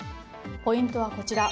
ポイントはこちら。